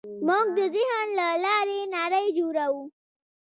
موږ د ذهن له لارې نړۍ جوړوو.